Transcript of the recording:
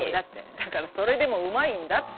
だからそれでもうまいんだって。